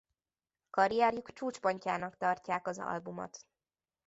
Karrierjük csúcspontjának tartják az albumot.